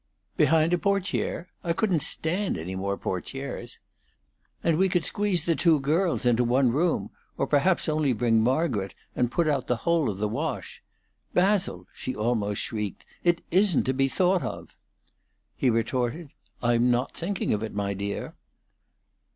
"Behind a portiere? I couldn't stand any more portieres!" "And we could squeeze the two girls into one room, or perhaps only bring Margaret, and put out the whole of the wash. Basil!" she almost shrieked, "it isn't to be thought of!" He retorted, "I'm not thinking of it, my dear."